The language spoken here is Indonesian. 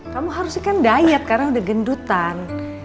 kamu harus ikan diet karena udah gendutan